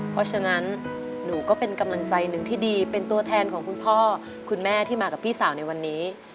เพราะฉะนั้นหนูก็เป็นกำลังใจหนึ่งที่ดีเป็นตัวแทนของคุณพ่อคุณแม่ที่มากับพี่สาวในวันนี้